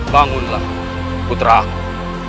bangunlah putra aku